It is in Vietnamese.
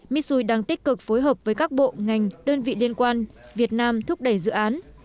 mitsui đang tích cực phối hợp với các bộ ngành đơn vị liên quan việt nam thúc đẩy dự án